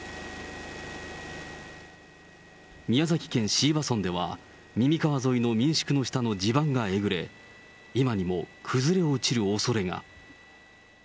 宮崎県椎葉村では、耳川沿いの民宿の地盤がえぐれ、今にも崩れ落ちるおそれが。